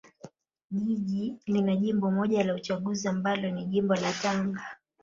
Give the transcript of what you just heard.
Jiji lina jimbo moja la uchaguzi ambalo ni jimbo la Tanga